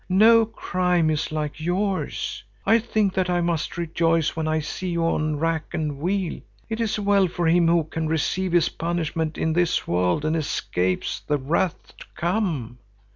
No crime is like yours. I think that I must rejoice when I see you on rack and wheel. It is well for him who can receive his punishment in this world and escapes the wrath to come.